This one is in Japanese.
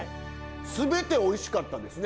全ておいしかったですね。